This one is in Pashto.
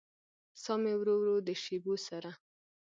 ساه مې ورو ورو د شېبو سره